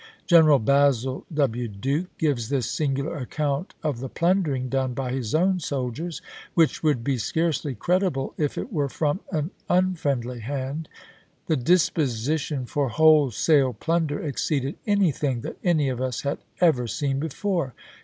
General Basil W. Duke gives this singular account of the plundering done by his own soldiers, which would be scarcely credible if it were from an un friendly hand :" The disposition for wholesale plunder exceeded anything that any of us had ever seen before.